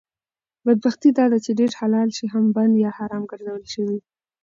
بدبختي داده چې ډېر حلال شی هم بند یا حرام ګرځول شوي